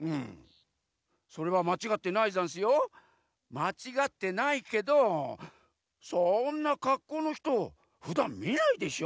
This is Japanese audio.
まちがってないけどそんなかっこうのひとふだんみないでしょ？